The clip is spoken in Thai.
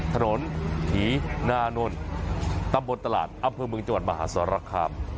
ถนนหีนานนท์ตำบดตลาดอำเภอเมืองจวันมหาศาลคัง